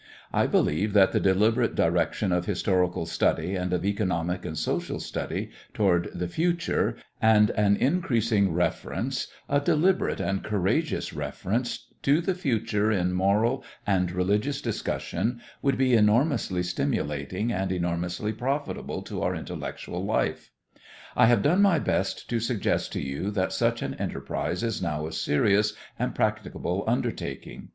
I believe that the deliberate direction of historical study and of economic and social study toward the future and an increasing reference, a deliberate and courageous reference, to the future in moral and religious discussion, would be enormously stimulating and enormously profitable to our intellectual life. I have done my best to suggest to you that such an enterprise is now a serious and practicable undertaking.